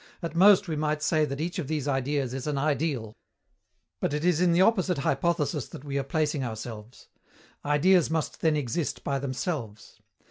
At most we might say that each of these Ideas is an ideal. But it is in the opposite hypothesis that we are placing ourselves. Ideas must then exist by themselves.